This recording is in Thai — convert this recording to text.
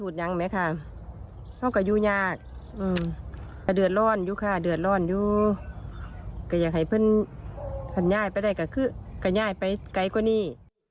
เดือดร้อนอยู่ค่ะเดือดร้อนอยู่อยากให้เพื่อนผ่านย่ายไปได้ก็คือกระย่ายไปไกลกว่านี้